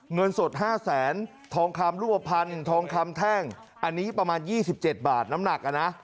เงินสด๕๐๐๐๐๐บาททองคำรุมพันธ์ทองคำแท่งอันนี้ประมาณ๒๗บาทน้ำหนักนะ